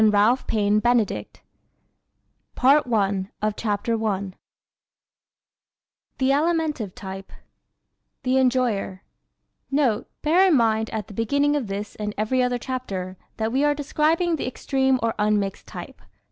[Illustration: 1 Alimentive the enjoyer] CHAPTER I The Alimentive Type "The Enjoyer" _Note: Bear in mind at the beginning of this and every other chapter, that we are describing the extreme or unmixed type.